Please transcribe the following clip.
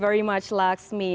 terima kasih banyak laksmi